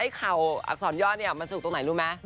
เข่าอักษรยอดเนี่ยมันสุกตรงไหนรู้ไหม